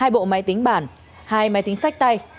hai bộ máy tính bản hai máy tính sách tay